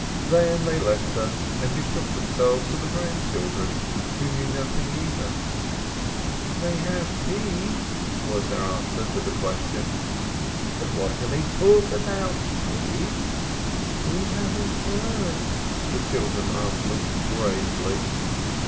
Then they left her, and betook themselves to the grandchildren, who knew nothing, either. "They have tea," was their answer to the question, "What does grandfather do with the teacher?" "But what do they talk about, sillies ?" "We haven't heard !" the children answered gravely.